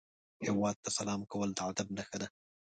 هیواد ته سلام کول د ادب نښه ده